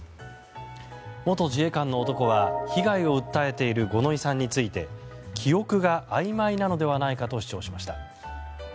元自衛官の男は被害を訴えている五ノ井さんについて記憶があいまいなのではないかと主張しました。